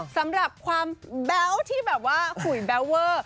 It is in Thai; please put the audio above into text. สำหรับความแบ๊วที่แบบว่าหุยแบลเวอร์